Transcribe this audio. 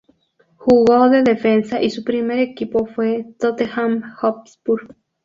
Jugó de defensa y su primer equipo fue Tottenham Hotspur.